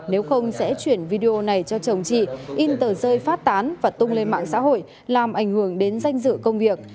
nếu không sẽ chuyển video này cho chồng chị in tờ rơi phát tán và tung lên mạng xã hội làm ảnh hưởng đến danh dự công việc